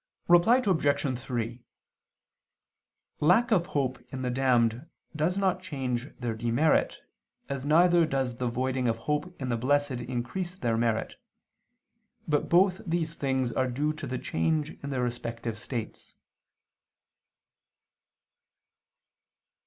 Reply Obj. 3: Lack of hope in the damned does not change their demerit, as neither does the voiding of hope in the blessed increase their merit: but both these things are due to the change in their respective states.